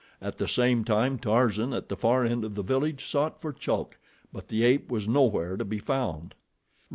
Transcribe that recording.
At the same time Tarzan, at the far end of the village, sought for Chulk; but the ape was nowhere to be found.